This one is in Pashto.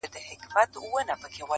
• دا بلا دي نن دربار ته راولمه -